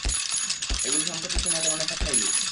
এগুলো সাম্প্রতিক সময়ে তেমন একটা খাইনি!